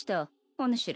おぬしら。